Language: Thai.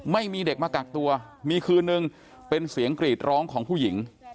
ไม่มีเด็กมากักตัวมีคืนนึงเป็นเสียงกรีดร้องของผู้หญิง